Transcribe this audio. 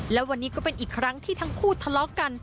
และวันนี้ก็เป็นอีกครั้งที่ทั้งคู่ทะเลาะกัน